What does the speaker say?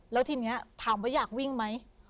แล้วทีนี้ถามว่าอยากวิ่งไหม